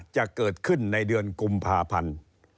จะเกิดขึ้นในเดือนกุมภาพันธ์